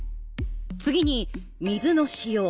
次に水の使用。